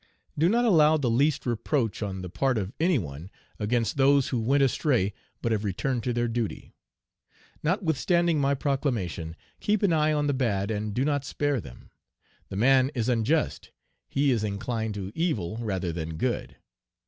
Do not allow the least reproach on the part of any one against those who went astray but have returned to their duty. Notwithstanding my proclamation, keep an eye on the bad, and do not spare them. The man is unjust, he is inclined to evil rather than good.